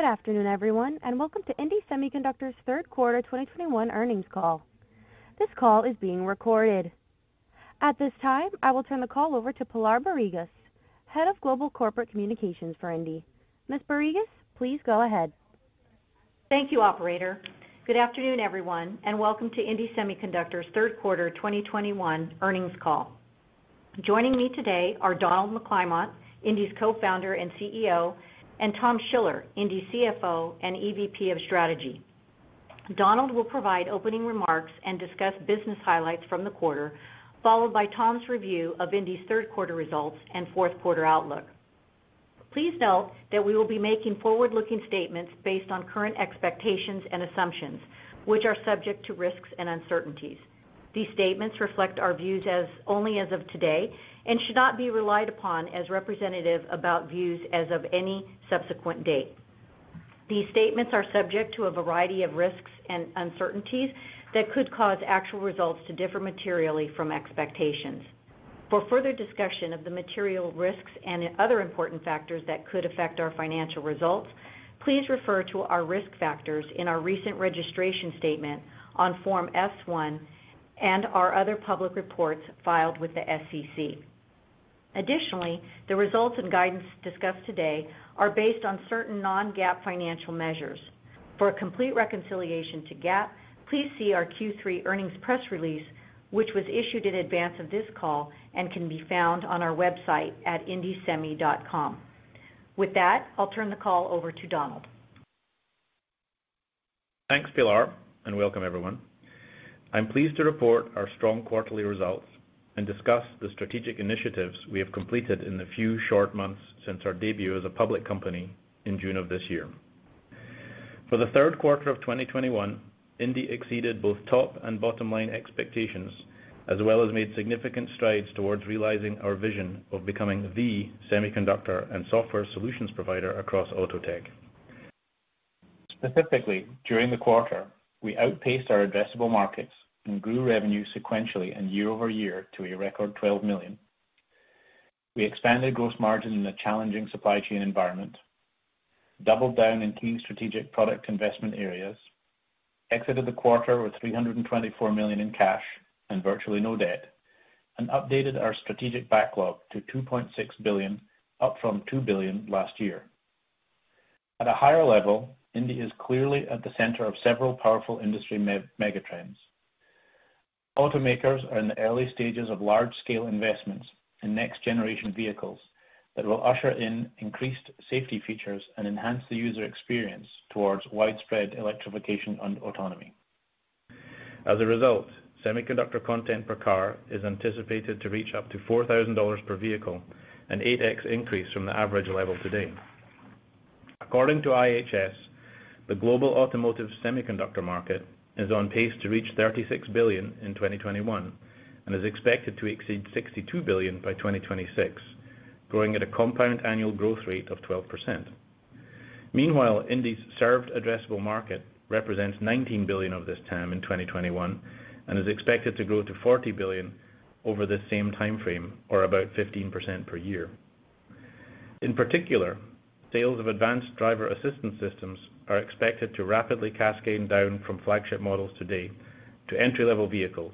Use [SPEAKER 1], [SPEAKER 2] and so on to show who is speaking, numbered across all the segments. [SPEAKER 1] Good afternoon, everyone, and welcome to indie Semiconductor's third quarter 2021 earnings call. This call is being recorded. At this time, I will turn the call over to Pilar Barrigas, SVP of Global Corporate Communications for indie. Ms. Barrigas, please go ahead.
[SPEAKER 2] Thank you, operator. Good afternoon, everyone, and welcome to indie Semiconductor's third quarter 2021 earnings call. Joining me today are Donald McClymont, indie's Co-Founder and CEO, and Tom Schiller, indie's CFO and EVP of Strategy. Donald will provide opening remarks and discuss business highlights from the quarter, followed by Tom's review of indie's third quarter results and fourth quarter outlook. Please note that we will be making forward-looking statements based on current expectations and assumptions, which are subject to risks and uncertainties. These statements reflect our views as, only as of today and should not be relied upon as representative about views as of any subsequent date. These statements are subject to a variety of risks and uncertainties that could cause actual results to differ materially from expectations. For further discussion of the material risks and other important factors that could affect our financial results, please refer to our risk factors in our recent registration statement on Form F-1 and our other public reports filed with the SEC. Additionally, the results and guidance discussed today are based on certain non-GAAP financial measures. For a complete reconciliation to GAAP, please see our Q3 earnings press release, which was issued in advance of this call and can be found on our website at indiesemi.com. With that, I'll turn the call over to Donald.
[SPEAKER 3] Thanks, Pilar, and welcome everyone. I'm pleased to report our strong quarterly results and discuss the strategic initiatives we have completed in the few short months since our debut as a public company in June of this year. For the third quarter of 2021, indie exceeded both top and bottom line expectations, as well as made significant strides towards realizing our vision of becoming the semiconductor and software solutions provider across auto tech. Specifically, during the quarter, we outpaced our addressable markets and grew revenue sequentially and year-over-year to a record $12 million. We expanded gross margin in a challenging supply chain environment, doubled down in key strategic product investment areas, exited the quarter with $324 million in cash and virtually no debt, and updated our strategic backlog to $2.6 billion, up from $2 billion last year. At a higher level, indie is clearly at the center of several powerful industry megatrends. Automakers are in the early stages of large-scale investments in next-generation vehicles that will usher in increased safety features and enhance the user experience towards widespread electrification and autonomy. As a result, semiconductor content per car is anticipated to reach up to $4,000 per vehicle, an 8x increase from the average level today. According to IHS, the global automotive semiconductor market is on pace to reach $36 billion in 2021 and is expected to exceed $62 billion by 2026, growing at a compound annual growth rate of 12%. Meanwhile, indie's served addressable market represents $19 billion of this TAM in 2021 and is expected to grow to $40 billion over the same time frame or about 15% per year. In particular, sales of advanced driver assistance systems are expected to rapidly cascade down from flagship models today to entry-level vehicles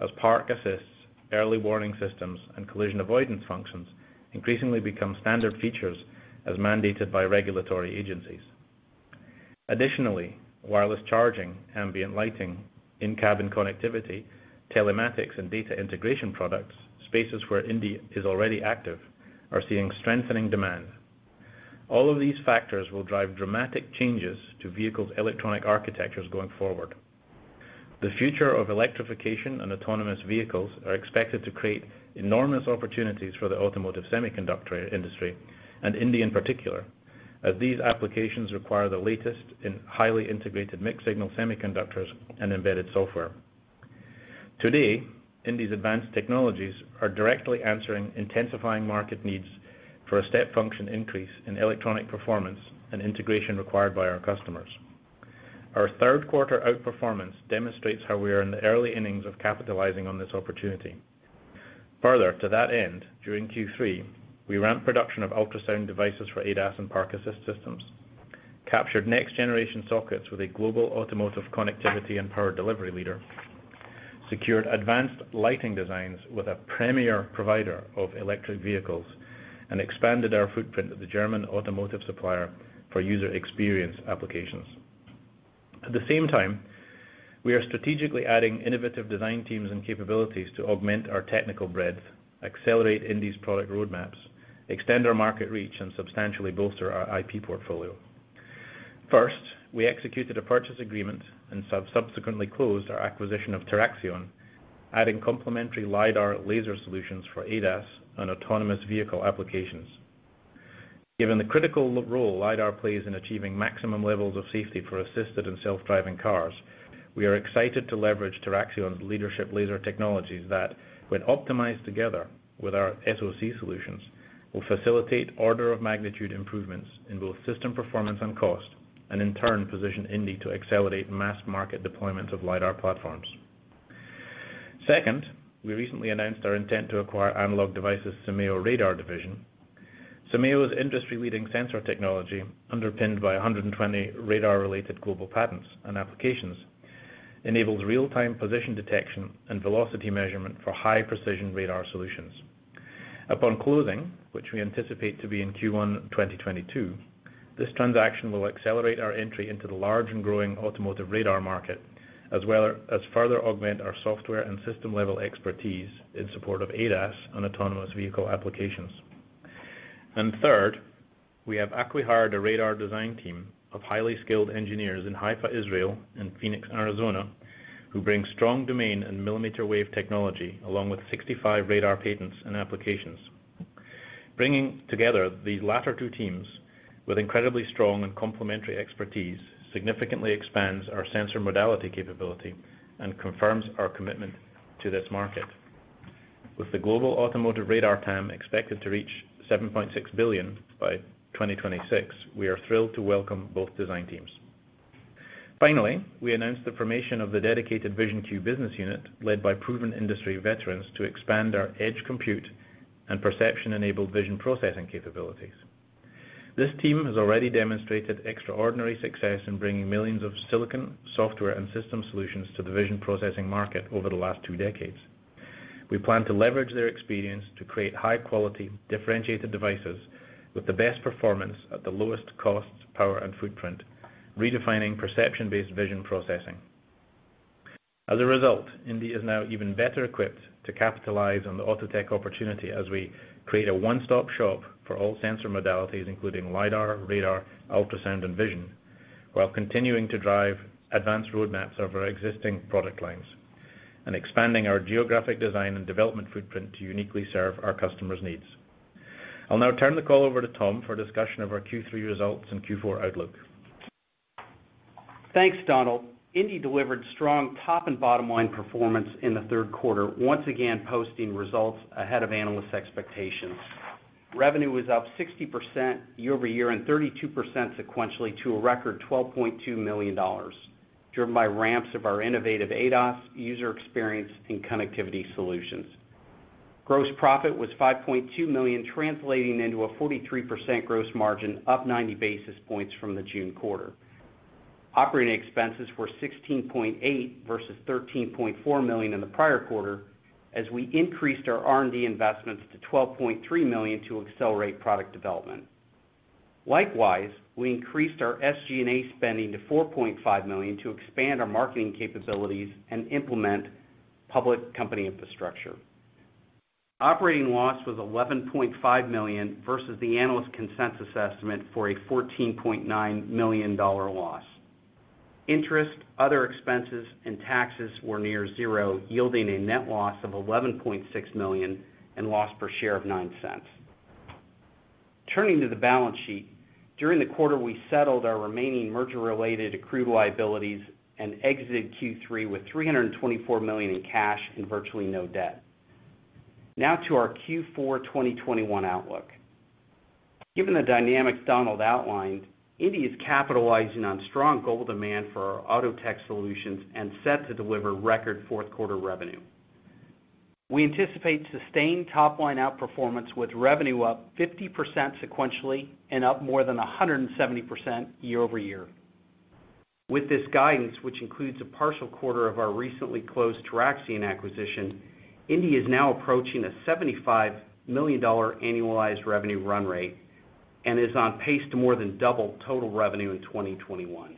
[SPEAKER 3] as park assists, early warning systems, and collision avoidance functions increasingly become standard features as mandated by regulatory agencies. Additionally, wireless charging, ambient lighting, in-cabin connectivity, telematics, and data integration products, spaces where indie is already active, are seeing strengthening demand. All of these factors will drive dramatic changes to vehicles' electronic architectures going forward. The future of electrification and autonomous vehicles are expected to create enormous opportunities for the automotive semiconductor industry and indie in particular, as these applications require the latest in highly integrated mixed signal semiconductors and embedded software. Today, indie's advanced technologies are directly answering intensifying market needs for a step function increase in electronic performance and integration required by our customers. Our third quarter outperformance demonstrates how we are in the early innings of capitalizing on this opportunity. Further to that end, during Q3, we ramped production of ultrasound devices for ADAS and park assist systems, captured next generation sockets with a global automotive connectivity and power delivery leader, secured advanced lighting designs with a premier provider of electric vehicles, and expanded our footprint of the German automotive supplier for user experience applications. At the same time, we are strategically adding innovative design teams and capabilities to augment our technical breadth, accelerate indie's product roadmaps, extend our market reach, and substantially bolster our IP portfolio. First, we executed a purchase agreement and subsequently closed our acquisition of TeraXion, adding complementary LiDAR laser solutions for ADAS and autonomous vehicle applications. Given the critical role LiDAR plays in achieving maximum levels of safety for assisted and self-driving cars, we are excited to leverage TeraXion's leadership laser technologies that when optimized together with our SOC solutions, will facilitate order of magnitude improvements in both system performance and cost, and in turn, position indie to accelerate mass market deployment of LiDAR platforms. Second, we recently announced our intent to acquire Analog Devices' Symeo radar division. Symeo's industry-leading sensor technology, underpinned by 120 radar-related global patents and applications, enables real-time position detection and velocity measurement for high precision radar solutions. Upon closing, which we anticipate to be in Q1 2022, this transaction will accelerate our entry into the large and growing automotive radar market, as well as further augment our software and system-level expertise in support of ADAS on autonomous vehicle applications. Third, we have acqui-hired a radar design team of highly skilled engineers in Haifa, Israel, and Phoenix, Arizona, who bring strong domain in millimeter wave technology, along with 65 radar patents and applications. Bringing together the latter two teams with incredibly strong and complementary expertise significantly expands our sensor modality capability and confirms our commitment to this market. With the global automotive radar TAM expected to reach $7.6 billion by 2026, we are thrilled to welcome both design teams. Finally, we announced the formation of the dedicated VisionQ business unit, led by proven industry veterans to expand our edge compute and perception-enabled vision processing capabilities. This team has already demonstrated extraordinary success in bringing millions of silicon, software, and system solutions to the vision processing market over the last two decades. We plan to leverage their experience to create high quality, differentiated devices with the best performance at the lowest cost, power, and footprint, redefining perception-based vision processing. As a result, indie is now even better equipped to capitalize on the auto tech opportunity as we create a one-stop shop for all sensor modalities, including LiDAR, radar, ultrasound, and vision, while continuing to drive advanced roadmaps of our existing product lines and expanding our geographic design and development footprint to uniquely serve our customers' needs. I'll now turn the call over to Tom for a discussion of our Q3 results and Q4 outlook.
[SPEAKER 4] Thanks, Donald. Indie delivered strong top and bottom line performance in the third quarter, once again posting results ahead of analysts' expectations. Revenue was up 60% year-over-year and 32% sequentially to a record $12.2 million, driven by ramps of our innovative ADAS user experience and connectivity solutions. Gross profit was $5.2 million, translating into a 43% gross margin, up 90 basis points from the June quarter. Operating expenses were $16.8 million versus $13.4 million in the prior quarter, as we increased our R&D investments to $12.3 million to accelerate product development. Likewise, we increased our SG&A spending to $4.5 million to expand our marketing capabilities and implement public company infrastructure. Operating loss was $11.5 million versus the analyst consensus estimate for a $14.9 million loss. Interest, other expenses, and taxes were near zero, yielding a net loss of $11.6 million and loss per share of $0.09. Turning to the balance sheet, during the quarter, we settled our remaining merger-related accrued liabilities and exited Q3 with $324 million in cash and virtually no debt. Now to our Q4 2021 outlook. Given the dynamics Donald outlined, indie is capitalizing on strong global demand for our auto tech solutions and set to deliver record fourth quarter revenue. We anticipate sustained top line outperformance with revenue up 50% sequentially and up more than 170% year-over-year. With this guidance, which includes a partial quarter of our recently closed TeraXion acquisition, indie is now approaching a $75 million annualized revenue run rate and is on pace to more than double total revenue in 2021.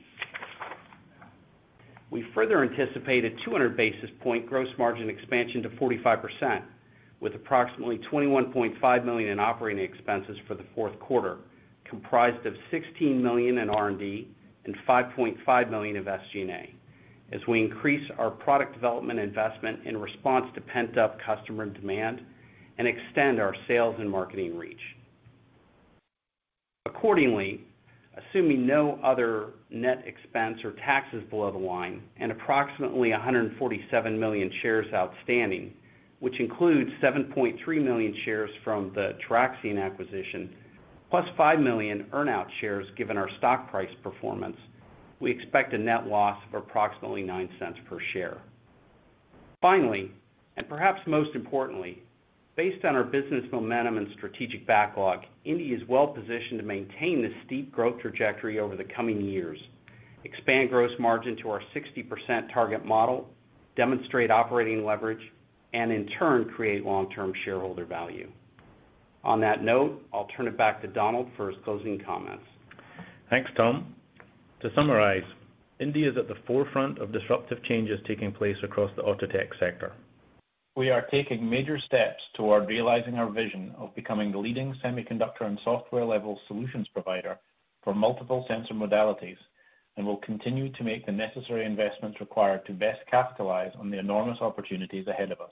[SPEAKER 4] We further anticipate a 200 basis point gross margin expansion to 45%, with approximately $21.5 million in operating expenses for the fourth quarter, comprised of $16 million in R&D and $5.5 million of SG&A as we increase our product development investment in response to pent-up customer demand and extend our sales and marketing reach. Accordingly, assuming no other net expense or taxes below the line and approximately 147 million shares outstanding, which includes 7.3 million shares from the TeraXion acquisition, +5 million earn out shares given our stock price performance, we expect a net loss of approximately $0.09 per share. Finally, and perhaps most importantly, based on our business momentum and strategic backlog, indie is well positioned to maintain the steep growth trajectory over the coming years, expand gross margin to our 60% target model, demonstrate operating leverage, and in turn, create long-term shareholder value. On that note, I'll turn it back to Donald for his closing comments.
[SPEAKER 3] Thanks, Tom. To summarize, indie is at the forefront of disruptive changes taking place across the auto tech sector. We are taking major steps toward realizing our vision of becoming the leading semiconductor and software level solutions provider for multiple sensor modalities, and will continue to make the necessary investments required to best capitalize on the enormous opportunities ahead of us.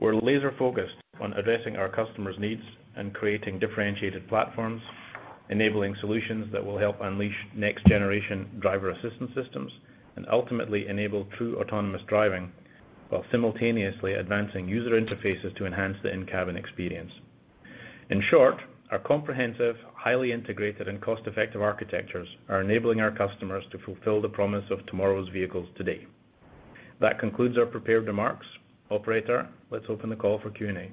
[SPEAKER 3] We're laser focused on addressing our customers' needs and creating differentiated platforms, enabling solutions that will help unleash next generation driver assistance systems and ultimately enable true autonomous driving while simultaneously advancing user interfaces to enhance the in-cabin experience. In short, our comprehensive, highly integrated, and cost-effective architectures are enabling our customers to fulfill the promise of tomorrow's vehicles today. That concludes our prepared remarks. Operator, let's open the call for Q&A.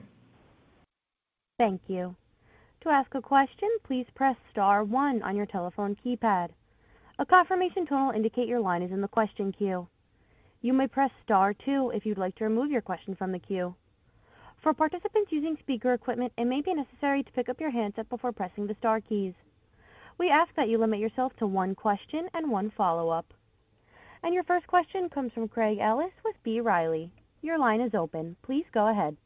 [SPEAKER 1] Thank you. To ask a question, please press star one on your telephone keypad. A confirmation tone will indicate your line is in the question queue. You may press star two if you'd like to remove your question from the queue. For participants using speaker equipment, it may be necessary to pick up your handset before pressing the star keys. We ask that you limit yourself to one question and one follow-up. Your first question comes from Craig Ellis with B. Riley. Your line is open. Please go ahead.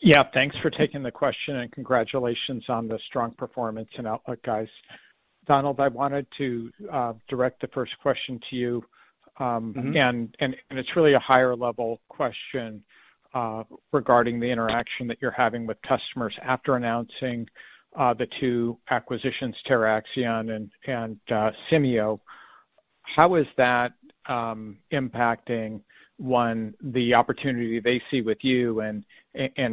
[SPEAKER 5] Yeah, thanks for taking the question, and congratulations on the strong performance and outlook, guys. Donald, I wanted to direct the first question to you.
[SPEAKER 3] Mm-hmm.
[SPEAKER 5] It's really a higher level question regarding the interaction that you're having with customers after announcing the two acquisitions, TeraXion and Symeo. How is that impacting one, the opportunity they see with you and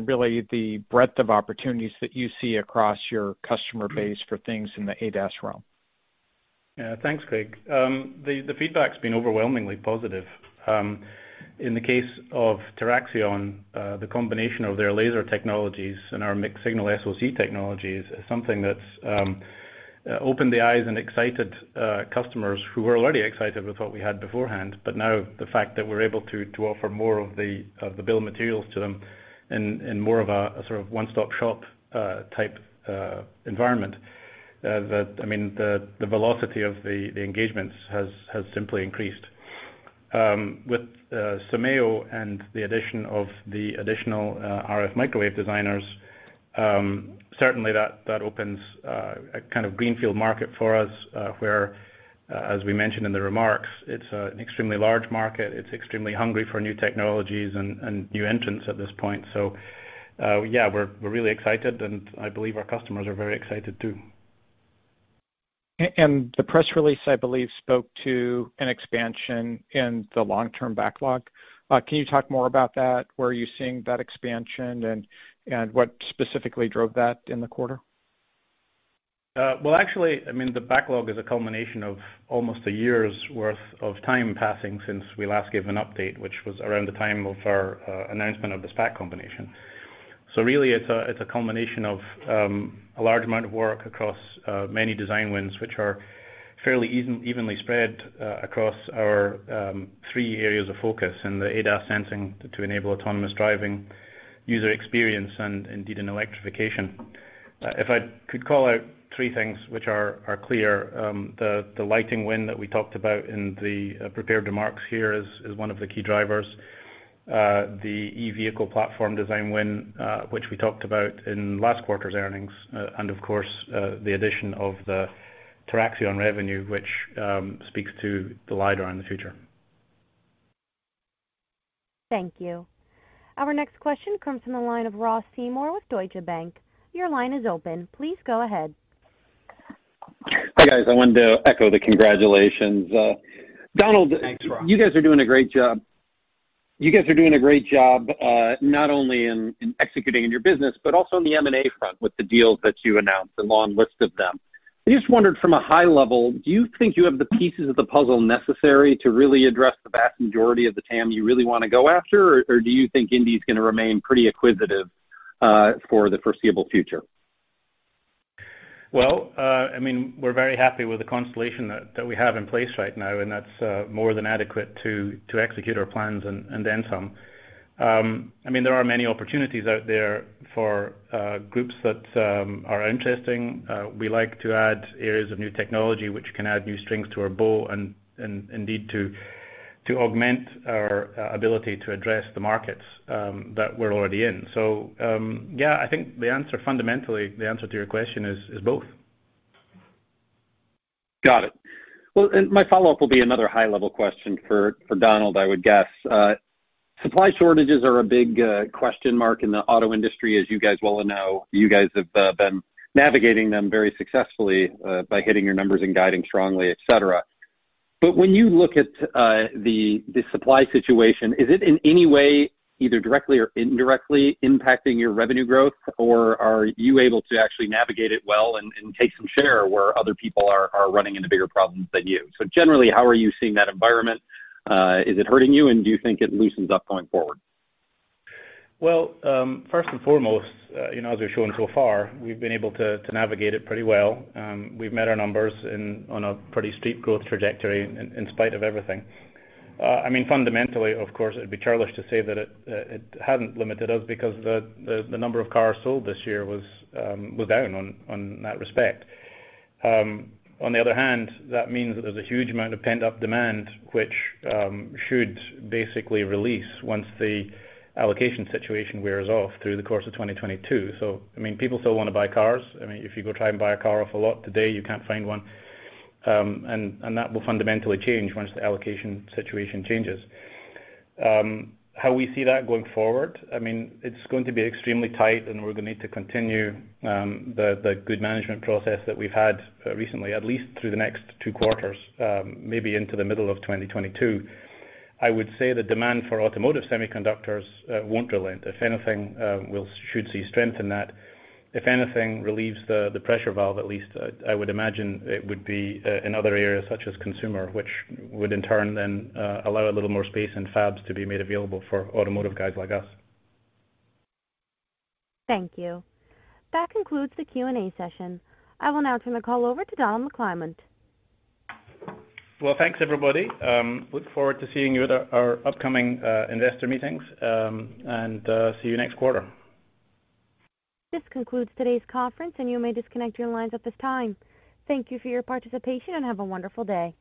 [SPEAKER 5] really the breadth of opportunities that you see across your customer base for things in the ADAS realm?
[SPEAKER 3] Yeah. Thanks, Craig. The feedback's been overwhelmingly positive. In the case of TeraXion, the combination of their laser technologies and our mixed-signal SOC technology is something that's opened the eyes and excited customers who were already excited with what we had beforehand. But now the fact that we're able to offer more of the bill of materials to them in more of a sort of one-stop-shop type environment, I mean, the velocity of the engagements has simply increased. With Symeo and the addition of the additional RF microwave designers, certainly that opens a kind of greenfield market for us, where, as we mentioned in the remarks, it's an extremely large market, it's extremely hungry for new technologies and new entrants at this point. Yeah, we're really excited, and I believe our customers are very excited too.
[SPEAKER 5] The press release, I believe, spoke to an expansion in the long-term backlog. Can you talk more about that? Where are you seeing that expansion and what specifically drove that in the quarter?
[SPEAKER 3] Well, actually, I mean, the backlog is a culmination of almost a year's worth of time passing since we last gave an update, which was around the time of our announcement of the SPAC combination. Really it's a culmination of a large amount of work across many design wins, which are fairly evenly spread across our three areas of focus in the ADAS sensing to enable autonomous driving, user experience, and indeed in electrification. If I could call out three things which are clear, the lighting win that we talked about in the prepared remarks here is one of the key drivers, the e-vehicle platform design win, which we talked about in last quarter's earnings, and of course, the addition of the TeraXion revenue which speaks to the LiDAR in the future.
[SPEAKER 1] Thank you. Our next question comes from the line of Ross Seymore with Deutsche Bank. Your line is open. Please go ahead.
[SPEAKER 6] Hi, guys. I wanted to echo the congratulations. Donald-
[SPEAKER 3] Thanks, Ross.
[SPEAKER 6] You guys are doing a great job, not only in executing in your business, but also on the M&A front with the deals that you announced, a long list of them. I just wondered from a high level, do you think you have the pieces of the puzzle necessary to really address the vast majority of the TAM you really wanna go after, or do you think indie is gonna remain pretty acquisitive, for the foreseeable future?
[SPEAKER 3] Well, I mean, we're very happy with the constellation that we have in place right now, and that's more than adequate to execute our plans and then some. I mean, there are many opportunities out there for groups that are interesting. We like to add areas of new technology which can add new strings to our bow and indeed to augment our ability to address the markets that we're already in. Yeah, I think the answer fundamentally to your question is both.
[SPEAKER 6] Got it. Well, my follow-up will be another high level question for Donald, I would guess. Supply shortages are a big question mark in the auto industry, as you guys well know. You guys have been navigating them very successfully by hitting your numbers and guiding strongly, et cetera. When you look at the supply situation, is it in any way, either directly or indirectly, impacting your revenue growth, or are you able to actually navigate it well and take some share where other people are running into bigger problems than you? Generally, how are you seeing that environment? Is it hurting you, and do you think it loosens up going forward?
[SPEAKER 3] Well, first and foremost, you know, as we've shown so far, we've been able to navigate it pretty well. We've met our numbers and on a pretty steep growth trajectory in spite of everything. I mean, fundamentally, of course, it'd be careless to say that it hadn't limited us because the number of cars sold this year was down in that respect. On the other hand, that means that there's a huge amount of pent-up demand, which should basically release once the allocation situation wears off through the course of 2022. I mean, people still wanna buy cars. I mean, if you go try and buy a car off a lot today, you can't find one. That will fundamentally change once the allocation situation changes. How we see that going forward, I mean, it's going to be extremely tight and we're gonna need to continue the good management process that we've had recently, at least through the next two quarters, maybe into the middle of 2022. I would say the demand for automotive semiconductors won't relent. If anything, should see strength in that. If anything relieves the pressure valve, at least I would imagine it would be in other areas such as consumer, which would in turn then allow a little more space and fabs to be made available for automotive guys like us.
[SPEAKER 1] Thank you. That concludes the Q&A session. I will now turn the call over to Donald McClymont.
[SPEAKER 3] Well, thanks, everybody. Look forward to seeing you at our upcoming investor meetings, and see you next quarter.
[SPEAKER 1] This concludes today's conference, and you may disconnect your lines at this time. Thank you for your participation, and have a wonderful day.